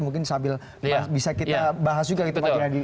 mungkin sambil bisa kita bahas juga gitu pak jayadi